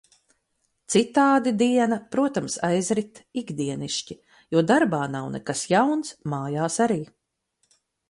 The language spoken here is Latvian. Citādi diena, protams, aizrit ikdienišķi, jo darbā nav nekas jauns, mājās arī.